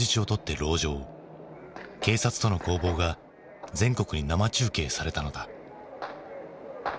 警察との攻防が全国に生中継されたのだ。